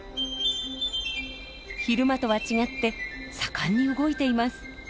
昼間とは違って盛んに動いています。